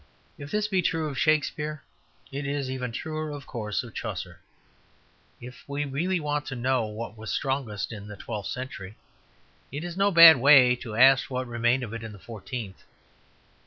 If this be true of Shakespeare, it is even truer, of course, of Chaucer. If we really want to know what was strongest in the twelfth century, it is no bad way to ask what remained of it in the fourteenth.